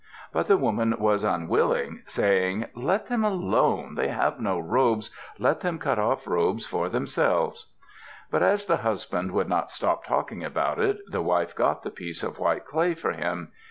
But the woman was unwilling, saying, "Let them alone. They have no robes. Let them cut off robes for themselves." But as the husband would not stop talking about it, the wife got the piece of white clay for him.